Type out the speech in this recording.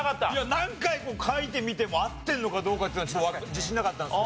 何回書いてみても合ってるのかどうかっていうのは自信なかったんですけど。